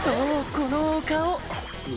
このお顔